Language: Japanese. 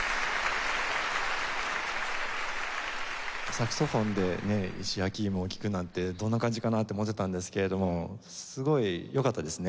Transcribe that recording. サクソフォンでね『石焼きいも』を聴くなんてどんな感じかなって思ってたんですけれどもすごいよかったですね。